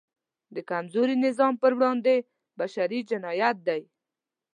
د کمزوري نظام پر وړاندې بشری جنایت دی.